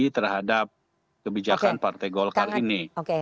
terhadap kebijakan partai golkar ini